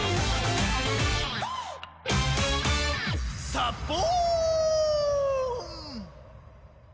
「サボーン！」